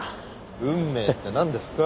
運命ってなんですか？